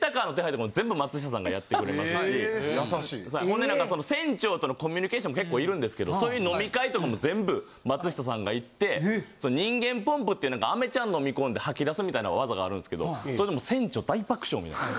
ほんでなんか船長とのコミュニケーションも結構いるんですけどそういう飲み会とかも全部松下さんが行って人間ポンプっていう飴ちゃん飲み込んで吐き出すみたいな技があるんですけどそれでもう船長大爆笑みたいな。